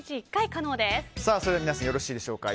それでは皆さんよろしいでしょうか。